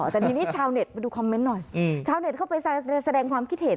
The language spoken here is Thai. แต่ทีนี้ชาวเน็ตไปดูคอมเมนต์หน่อยชาวเน็ตเข้าไปแสดงความคิดเห็น